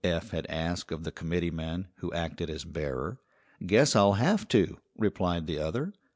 Eph had asked of the committeeman who acted as bearer. "Guess I'll have to," replied the other.